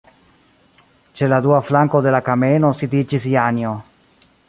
Ĉe la dua flanko de la kameno sidiĝis Janjo.